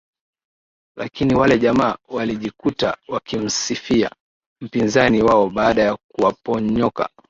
Lakini wale jamaa walijikuta wakimsifia mpinzani wao baada ya kuwaponyoka